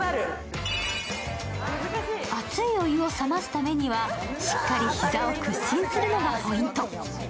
熱いお湯を冷ますためにはしっかり膝を屈伸するのがポイント。